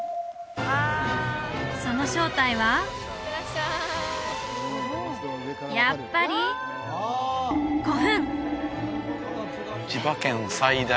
その正体はやっぱり古墳！